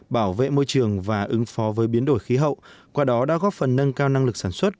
bảo vệ môi trường và ứng phó với biến đổi khí hậu qua đó đã góp phần nâng cao năng lực sản xuất